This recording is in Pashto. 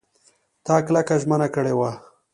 تا کلکه ژمنه کړې وه !